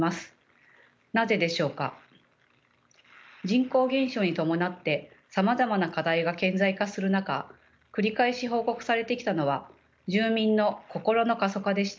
人口減少に伴ってさまざまな課題が顕在化する中繰り返し報告されてきたのは住民の「心の過疎化」でした。